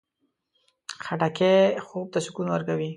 خټکی خوب ته سکون ورکوي.